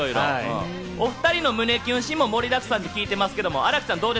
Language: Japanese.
お２人の胸キュンシーンも盛りだくさんって聞いてますけど、新木さん。